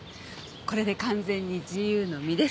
これで完全に自由の身です。